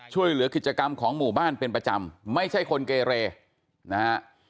ช่วยเหลือกิจกรรมของหมู่บ้านเป็นประจำไม่ใช่คนเกเรนะฮะ